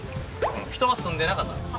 人は住んでなかったんです。